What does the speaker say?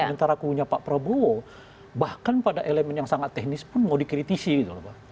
sementara kubunya pak prabowo bahkan pada elemen yang sangat teknis pun mau dikritisi gitu loh pak